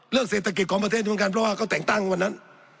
เศรษฐกิจของประเทศเหมือนกันเพราะว่าเขาแต่งตั้งวันนั้น